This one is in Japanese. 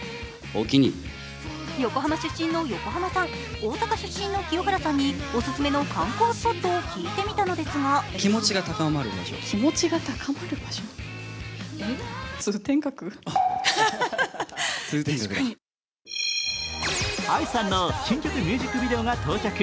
横浜出身の横浜さん、大阪出身の清原さんにおすすめの観光スポットを聞いてみたのですがＡＩさんの新曲ミュージックビデオが到着。